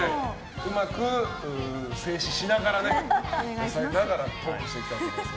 うまく制止しながら、抑えながらトークしていきたいと思います。